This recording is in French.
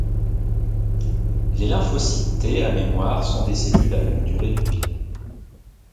Les lymphocytes T à mémoire sont des cellules à longue durée de vie.